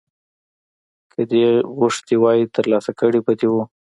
که دې غوښتي وای ترلاسه کړي به دې وو